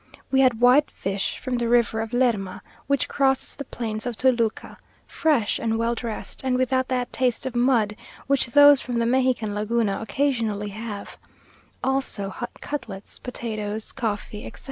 We had white fish from the river of Lerma, which crosses the plains of Toluca, fresh and well dressed, and without that taste of mud which those from the Mexican Laguna occasionally have; also hot cutlets, potatoes, coffee, etc.